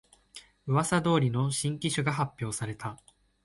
うわさ通りの新機種が発表された